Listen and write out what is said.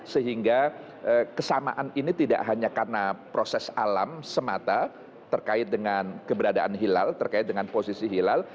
sehingga kesamaan ini tidak hanya karena proses alam semata terkait dengan keberadaan hilal terkait dengan posisi hilal